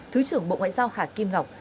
thứ trưởng bộ ngoại giao hà kim ngọc